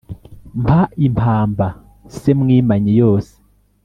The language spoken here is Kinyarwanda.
mpa impamba se mwimanyi yose